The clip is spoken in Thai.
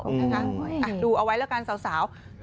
นะคะดูเอาไว้แล้วกันสาว